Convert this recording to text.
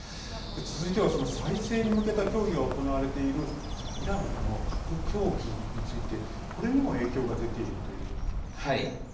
続いては、再生に向けた協議が行われているイランの核協議についてこれにも影響が出ているということなんですね。